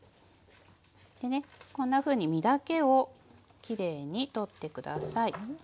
でねこんなふうに身だけをきれいに取って下さい。